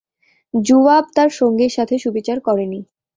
জুওয়াব তার সঙ্গীর সাথে সুবিচার করেনি।